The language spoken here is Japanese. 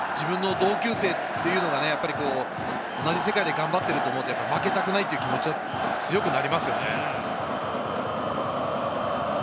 自分の同級生というのが同じ世界で頑張っていると思うと負けたくないという気持ちは強くなります。